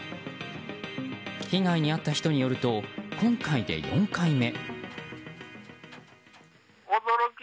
被害に遭った人によると今回で４回目。